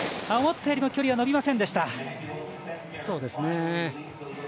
思ったよりも距離は伸びませんでした。